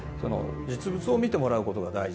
実物を見てもらう事が大事だ。